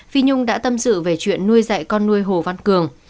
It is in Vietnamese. phi nhung đã tâm sự về chuyện nuôi dạy con nuôi hồ văn cường